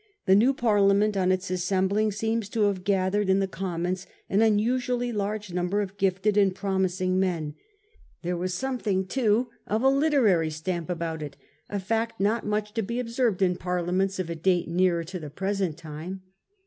The new Parliament on its assembling seems to have gathered in the Commons an unusually large number of gifted and promising men. There was something 1837. THE NEW PARLIAMENT. 37 too of a literary stamp about it, a fact not much to be observed in Parliaments of a date nearer to the present time.